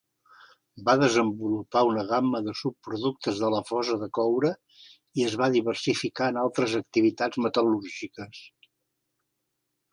Va desenvolupar una gamma de subproductes de la fosa de coure i es va diversificar en altres activitats metal·lúrgiques.